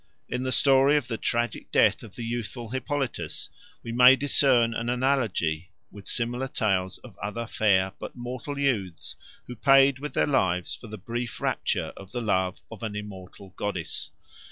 In the story of the tragic death of the youthful Hippolytus we may discern an analogy with similar tales of other fair but mortal youths who paid with their lives for the brief rapture of the love of an immortal goddess.